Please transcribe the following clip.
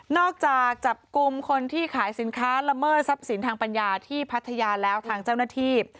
จากจับกลุ่มคนที่ขายสินค้าละเมิดทรัพย์สินทางปัญญาที่พัทยาแล้วทางเจ้าหน้าที่